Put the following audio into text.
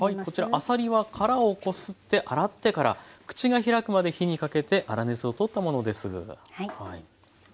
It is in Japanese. こちらあさりは殻をこすって洗ってから口が開くまで火にかけて粗熱を取ったものです。